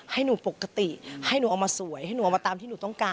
ให้หนูปกติให้หนูเอามาสวยให้หนูเอามาตามที่หนูต้องการ